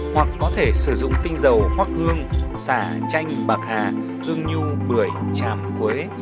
hoặc có thể sử dụng tinh dầu hoác hương xả chanh bạc hà hương nhu bưởi chảm quế